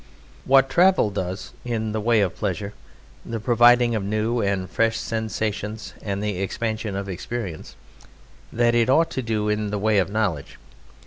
What travel does in the way of pleasure (the providing of new and fresh sensations, and the expansion of experience), that it ought to do in the way of knowledge.